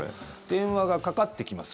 電話がかかってきます